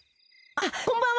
あっこんばんは。